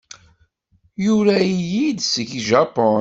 Yura-iyi-d seg Japun.